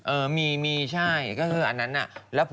เออมีมีใช่ก็คืออันนั้นน่ะ